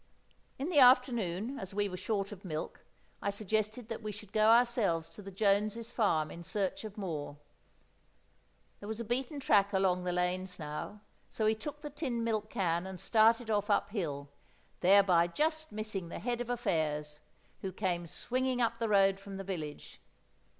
In the afternoon, as we were short of milk, I suggested that we should go ourselves to the Jones's farm in search of more. There was a beaten track along the lanes now, so we took the tin milk can and started off uphill, thereby just missing the Head of Affairs, who came swinging up the road from the village.